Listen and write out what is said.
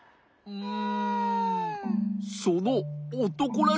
うん。